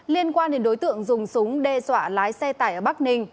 liên quan đến đối tượng dùng súng đe dọa lái xe tải ở bắc ninh